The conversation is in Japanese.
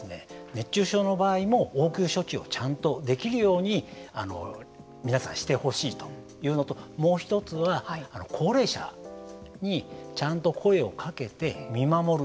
熱中症の場合も応急処置をちゃんとできるように皆さんしてほしいというのともう一つは高齢者にちゃんと声をかけて見守る。